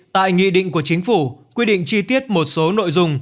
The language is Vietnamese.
tại nghị định của chính phủ quy định chi tiết một số nội dung